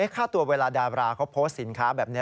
ค่าตัวเวลาดาบราเขาโพสต์สินค้าแบบนี้